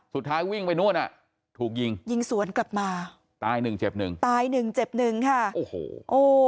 สุดท้ายวิ่งไปนู่นอ่ะถูกยิงยิงสวนกลับมาตายหนึ่งเจ็บหนึ่งตายหนึ่งเจ็บหนึ่งค่ะโอ้โหโอ้